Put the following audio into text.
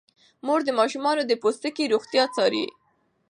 مور د ماشومانو د پوستکي روغتیا څاري.